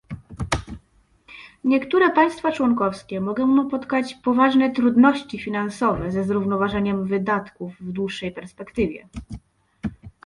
Niektóre państwa członkowskie mogą napotkać poważne trudności finansowe ze zrównoważeniem wydatków w dłuższej perspektywie